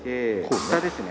下ですね。